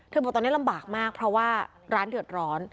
บอกตอนนี้ลำบากมากเพราะว่าร้านเดือดร้อน